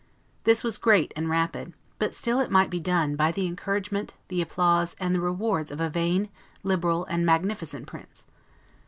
This was great and rapid; but still it might be done, by the encouragement, the applause, and the rewards of a vain, liberal, and magnificent prince.